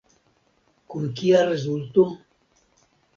Kun kia rezulto?